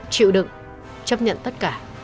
chịu đựng chấp nhận tất cả